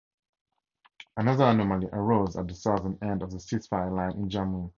Another anomaly arose at the southern end of the ceasefire line in Jammu.